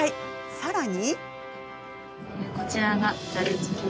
さらに。